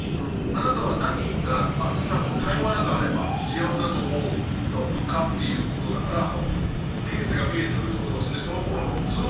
あなたは何が少なくとも絶え間なくあれば幸せだと思うかっていうことだから現世が見えてくるってことですね。